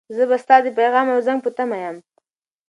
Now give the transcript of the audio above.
زه به ستا د پیغام او زنګ په تمه یم.